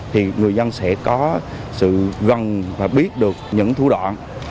thì người dân sẽ có sự gần và biết được những thủ đoạn